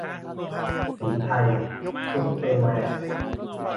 ศรีไทยซุปเปอร์แวร์